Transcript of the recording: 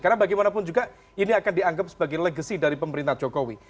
karena bagaimanapun juga ini akan dianggap sebagai legacy dari pemerintah jokowi